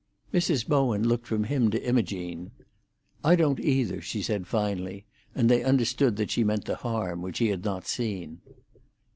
Mrs. Bowen looked from him to Imogene. "I don't either," she said finally, and they understood that she meant the harm which he had not seen.